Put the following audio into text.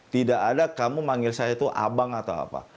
tidak ada kamu manggil saya itu abang atau apa